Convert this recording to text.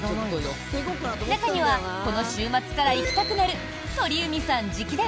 中にはこの週末から行きたくなる鳥海さん直伝！